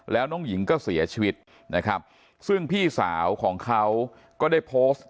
แล้วน้องหญิงก็เสียชีวิตนะครับซึ่งพี่สาวของเขาก็ได้โพสต์